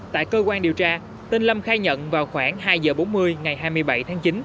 tại cơ quan điều tra tên lâm khai nhận vào khoảng hai h bốn mươi ngày hai mươi bảy tháng chín